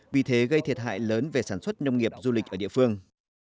vì thế gây thiệt hại lớn về sản xuất nông nghiệp du lịch ở địa phương